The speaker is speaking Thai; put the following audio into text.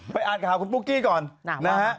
ไปอ่านข่าวคุณปุ๊กกี้ก่อน